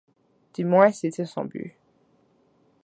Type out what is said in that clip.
Du moins c'était son but.